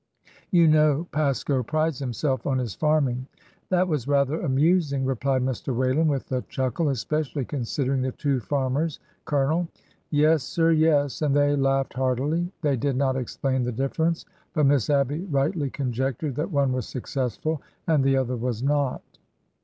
You know Pasco prides himself on his farming." That was rather amusing," replied Mr. Whalen, with a chuckle ;'' especially considering the two farmers, Colonel." '' Yes, sir, yes." And they laughed heartily. They did not explain the difference, but Miss Abby rightly conjectured that one was successful, and the other was not.